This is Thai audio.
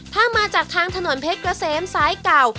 ถ้ามาจากทางถนนเพชรเกษมซ้ายเก่า